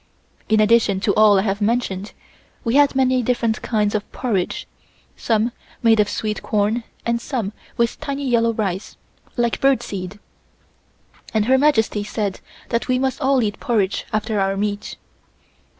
In addition to all I have mentioned, we had many different kinds of porridge, some made of sweet corn and some with tiny yellow rice (like bird seed), and Her Majesty said that we must all eat porridge after our meat.